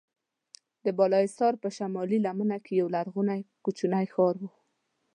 د بالاحصار په شمالي لمنه کې یو لرغونی کوچنی ښار و.